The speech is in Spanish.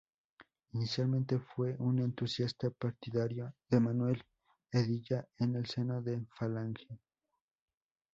Inicialmente fue un entusiasta partidario de Manuel Hedilla en el seno de Falange.